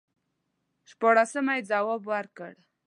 شپاړسمه یې جواب ورکړ.